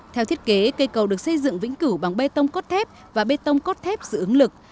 theo thiết kế cây cầu được xây dựng vĩnh cửu bằng bê tông cốt thép và bê tông cốt thép giữ ứng lực